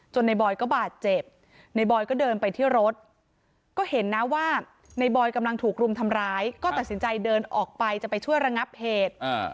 ในบอยก็บาดเจ็บในบอยก็เดินไปที่รถก็เห็นนะว่าในบอยกำลังถูกรุมทำร้ายก็ตัดสินใจเดินออกไปจะไปช่วยระงับเหตุ